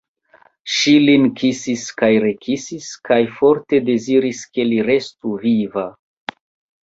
Ŝi lin kisis kaj rekisis kaj forte deziris, ke li restu viva.